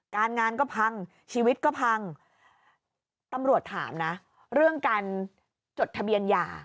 การงานก็พังชีวิตก็พังตำรวจถามนะเรื่องการจดทะเบียนยา